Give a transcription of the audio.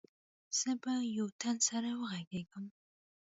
زه به يو تن سره وغږېږم.